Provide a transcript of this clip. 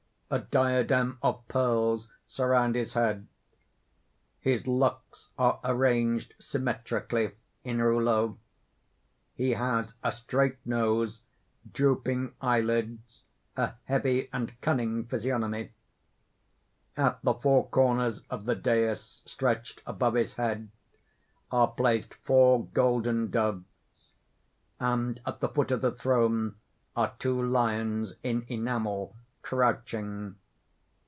_ _A diadem of pearls surround his head; his locks are arranged symmetrically in rouleaux. He has a straight nose, drooping eyelids, a heavy and cunning physiognomy. At the four corners of the dais stretched above his head are placed four golden doves; and at the foot of the throne are two lions in enamel crouching.